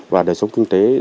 và đời sống kinh tế